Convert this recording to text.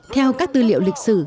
theo các tư liệu lịch sử